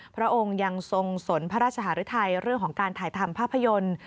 พระองค์ยังทรงสนพระราชหารุทัยเรื่องของการถ่ายทำภาพยนตร์